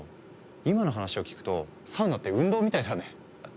今の話を聞くとサウナって運動みたいだね。